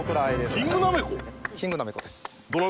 キングなめこです。